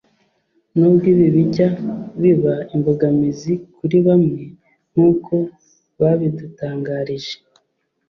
n’ubwo ibi bijya biba imbogamizi kuri bamwe nk’uko babidutangarije